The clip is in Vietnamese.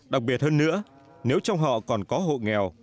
đặc biệt hơn nữa nếu trong họ còn có hộ nghèo